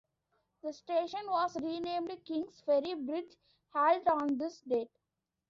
The station was renamed Kings Ferry Bridge Halt on this date.